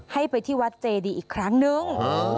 ให้ไปที่วัดเจดีอีกครั้งนึง